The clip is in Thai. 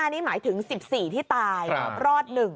นี่หมายถึง๑๔ที่ตายรอด๑